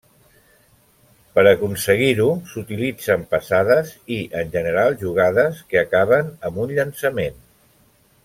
Per aconseguir-ho s'utilitzen passades i, en general, jugades, que acaben amb un llançament.